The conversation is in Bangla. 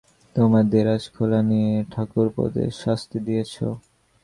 তোমার দেরাজ খোলা নিয়ে ঠাকুরপোদের শাস্তি দিয়েছ।